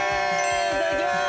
いただきます！